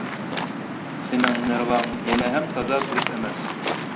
سېنىڭ نېرۋاڭ ھېلىھەم تازا دۇرۇس ئەمەس.